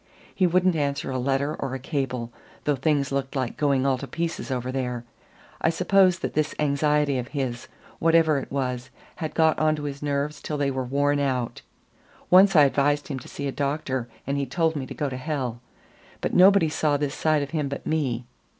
He wouldn't answer a letter or a cable, though things looked like going all to pieces over there. I supposed that this anxiety of his, whatever it was, had got onto his nerves till they were worn out. Once I advised him to see a doctor, and he told me to go to hell. But nobody saw this side of him but me.